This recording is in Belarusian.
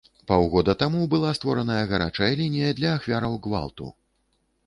Паўгода таму была створаная гарачая лінія для ахвяраў гвалту.